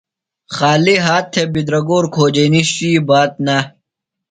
خالیۡ ہات تھےۡ بِدرگور کھوجئینی شُوئی بات نہ۔